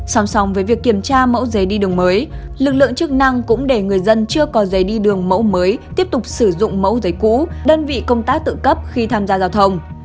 song song với việc kiểm tra mẫu giấy đi đường mới lực lượng chức năng cũng để người dân chưa có giấy đi đường mẫu mới tiếp tục sử dụng mẫu giấy cũ đơn vị công tác tự cấp khi tham gia giao thông